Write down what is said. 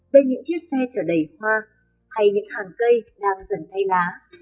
bên những chiếc xe chở đầy hoa hay những hàng cây đang dần thay lá